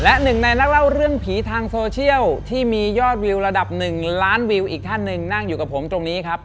และหนึ่งในนักเล่าเรื่องผีทางโซเชียลที่มียอดวิวระดับ๑ล้านวิวอีกท่านหนึ่งนั่งอยู่กับผมตรงนี้ครับ